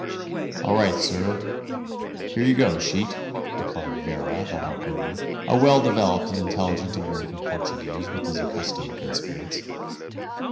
"All right, sir; here you go, sheet," replied Vera, the harpooner, a well developed and intelligent American Portuguese, with his accustomed good spirits.